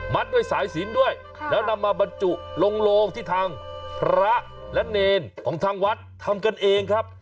ด้วยสายสินด้วยแล้วนำมาบรรจุลงโลงที่ทางพระและเนรของทางวัดทำกันเองครับ